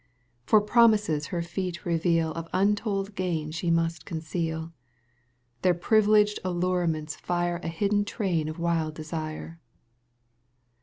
For promises her feet reveal Of untold gain she must conceal. Their privileged allurements fire A hidden train of wild desire.